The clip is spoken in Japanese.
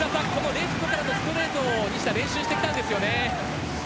レフトからのストレート西田は練習してきたんですよね。